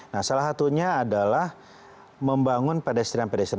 nah salah satunya adalah membangun pedestrian pedestrian